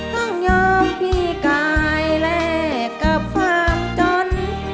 ต้องยอมพี่กายแลกกับความจน